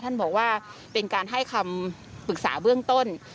ท่านบอกว่าเป็นการให้คำปรึกษาเบื้องต้น